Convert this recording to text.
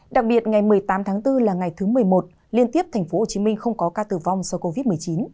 đặc biệt ngày một mươi tám tháng bốn là ngày thứ một mươi một liên tiếp tp hcm không có ca tử vong do covid một mươi chín